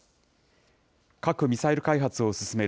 核・ミサイル開発を進める